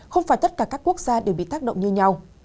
không phải tất cả các quốc gia đều bị tác động như nhau